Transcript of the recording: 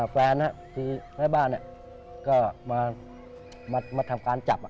แฟนคือแม่บ้านก็มาทำการจับ